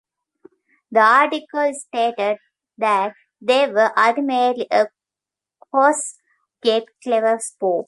The article stated that they were ultimately "a coarse yet clever spoof".